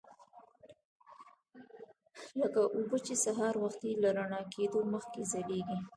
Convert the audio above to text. لکه اوبه چې سهار وختي له رڼا کېدو مخکې ځلیږي.